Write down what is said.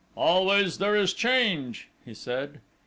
"Always there is change," he said.